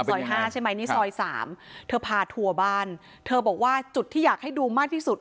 ห้าใช่ไหมนี่ซอยสามเธอพาทัวร์บ้านเธอบอกว่าจุดที่อยากให้ดูมากที่สุด